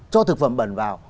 cho thực phẩm bẩn vào